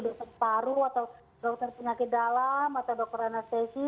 dokter paru atau dokter penyakit dalam atau dokter anestesi